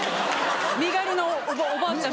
身軽なおばあちゃん。